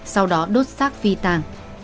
sau đó đốt xác phi tàng